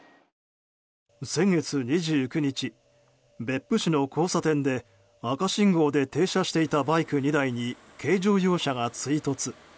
先月２９日、別府市の交差点で赤信号で停車していたバイク２台に軽乗用車が追突。